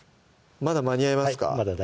まだ間に合います